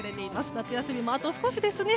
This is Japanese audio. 夏休みもあと少しですね。